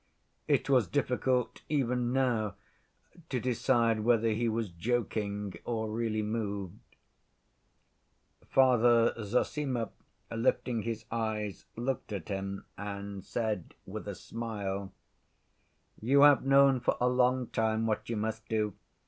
It was difficult even now to decide whether he was joking or really moved. Father Zossima, lifting his eyes, looked at him, and said with a smile: "You have known for a long time what you must do.